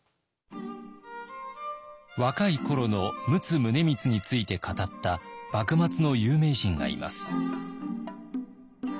若い頃の陸奥宗光について語った幕末の有名人がいます。